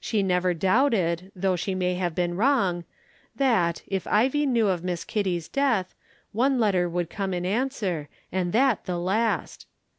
She never doubted, though she may have been wrong, that, if Ivie knew of Miss Kitty's death, one letter would come in answer, and that the last.